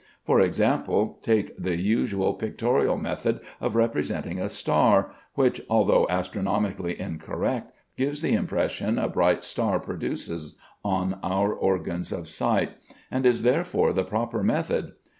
For example, take the usual pictorial method of representing a star, which, although astronomically incorrect, gives the impression a bright star produces on our organs of sight, and is therefore the proper method.